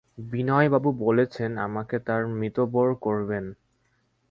বিনয়বাবু বলেছেন, আমাকে তাঁর মিতবর করবেন!